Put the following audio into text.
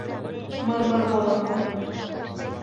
МЫРМЫРМОРОН